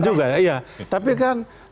tapi itu pertanyaan juga